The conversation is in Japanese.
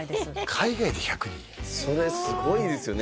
海外で１００人よそれすごいですよね